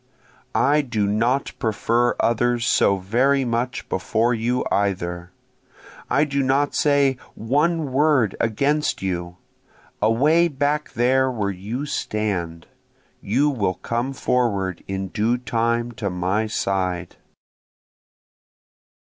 I do not prefer others so very much before you either, I do not say one word against you, away back there where you stand, (You will come forward in due time to my side.)